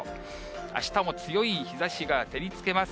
あしたも強い日ざしが照りつけます。